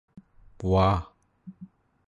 വാ